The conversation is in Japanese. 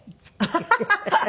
ハハハハ。